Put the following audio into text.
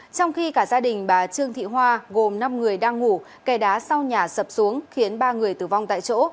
trong khi cả gia đình bà trương thị hoa gồm năm người đang ngủ kè đá sau nhà sập xuống khiến ba người tử vong tại chỗ